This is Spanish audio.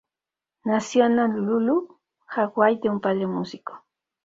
Nació en Honolulu, Hawái, de un padre músico.